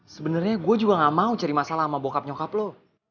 sebenarnya gue juga gak mau cari masalah sama bokap nyokap lo